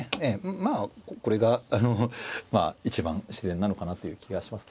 まあこれがあの一番自然なのかなという気がします。